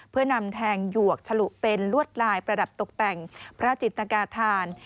เพื่อนำแทงหยวกฉลุเป็นลวดลายประดับตกแต่งพระจิตกาธาน